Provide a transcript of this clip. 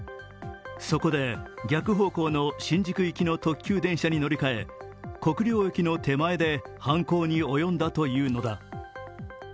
そこで逆方向の新宿行きの特急電車に乗り換え国領駅の手前で犯行に及んだというのだ。